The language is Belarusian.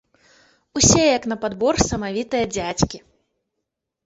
Усе, як на падбор, самавітыя дзядзькі.